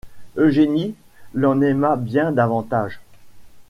Eugénie l’en aima bien davantage.